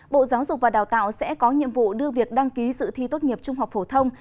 bộ giáo dục và đào tạo sẽ có nhiệm vụ đưa việc đăng ký sự thi tốt nghiệp trung học phổ thông